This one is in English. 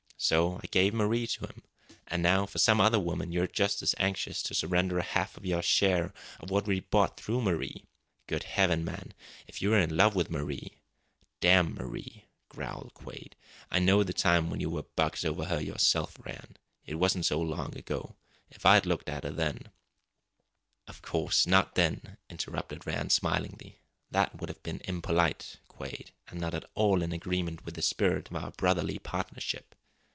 So I gave Marie to him. And now, for some other woman, you're just as anxious to surrender a half of your share of what we've bought through Marie. Good heaven, man, if you were in love with Marie " "Damn Marie!" growled Quade. "I know the time when you were bugs over her yourself, Rann. It wasn't so long ago. If I'd looked at her then " "Of course, not then," interrupted Rann smilingly. "That would have been impolite, Quade, and not at all in agreement with the spirit of our brotherly partnership.